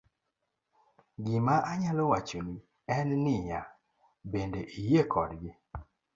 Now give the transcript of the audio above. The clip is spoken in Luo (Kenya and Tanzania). gima anyalo wacho ni en ni ya, bende iyie kodgi?'